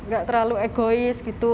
gak terlalu egois gitu